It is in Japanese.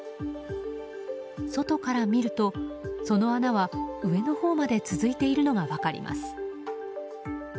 外から見ると、その穴は上のほうまで続いているのが分かります。